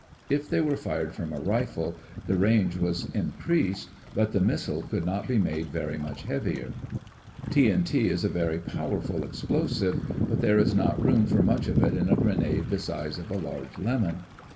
If they were fired from a rifle, the range was increased but the missile could not be made very much heavier. TNT is a very powerful explosive, but there is not room for much of it in a grenade the size of a large lemon.